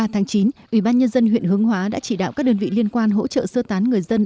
ba tháng chín ủy ban nhân dân huyện hướng hóa đã chỉ đạo các đơn vị liên quan hỗ trợ sơ tán người dân